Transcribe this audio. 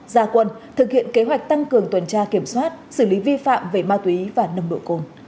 gia quân thực hiện kế hoạch tăng cường tuần tra kiểm soát xử lý vi phạm về ma túy và nồng độ cồn